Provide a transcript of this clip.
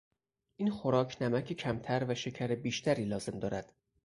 این خوراک نمک کمتر و شکر بیشتری لازم دارد.